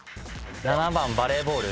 ７番バレーボール？